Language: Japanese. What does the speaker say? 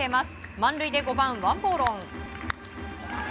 満塁で５番、ワン・ボーロン。